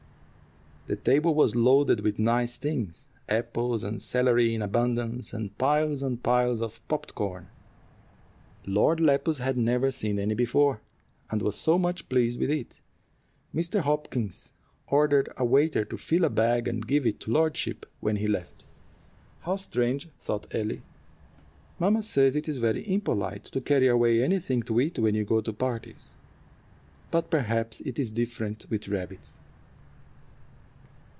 The table was loaded with nice things apples and celery in abundance, and piles and piles of popped corn. Lord Lepus had never seen any before, and was so much pleased with it, Mr. Hopkins ordered a waiter to fill a bag and give it to his lordship when he left. "How strange," thought Ellie; "mamma says it is very impolite to carry away anything to eat when you go to parties. But perhaps it is different with rabbits."